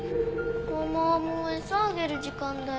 ママもう餌あげる時間だよ。